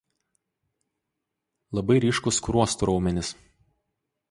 Labai ryškūs skruostų raumenys.